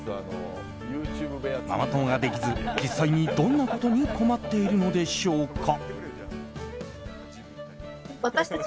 ママ友ができず実際にどんなことに困っているのでしょうか。